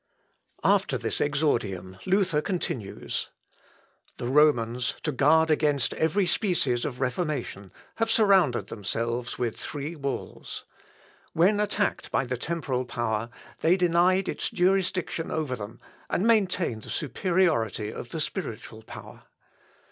After this exordium, Luther continues: "The Romans, to guard against every species of reformation, have surrounded themselves with three walls. When attacked by the temporal power, they denied its jurisdiction over them, and maintained the superiority of the spiritual power.